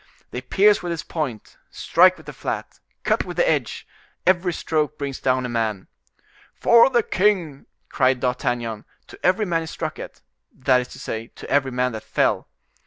They pierce with its point, strike with the flat, cut with the edge; every stroke brings down a man. "For the king!" cried D'Artagnan, to every man he struck at, that is to say, to every man that fell.